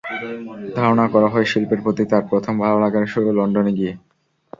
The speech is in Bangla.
ধারণা করা হয়, শিল্পের প্রতি তাঁর প্রথম ভালো লাগার শুরু লন্ডনে গিয়ে।